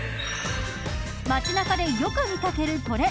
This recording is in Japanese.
街中でよく見かける、これ！